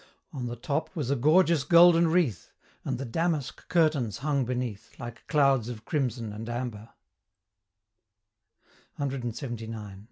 On the top was a gorgeous golden wreath; And the damask curtains hung beneath, Like clouds of crimson and amber; CLXXIX.